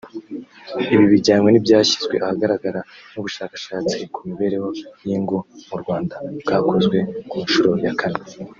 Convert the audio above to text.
Ibi bijyanye n’ibyashyizwe ahagaragara n’ubushakashatsi ku mibereho y’ingo mu Rwanda bwakozwe ku nshuro ya kane